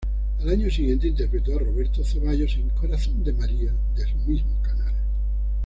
Al año siguiente, interpretó a Roberto Ceballos en "Corazón de María" del mismo canal.